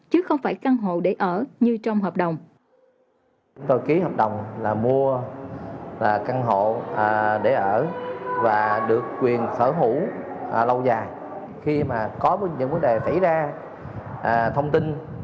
chứ không phải là dự án của sơn thịnh hai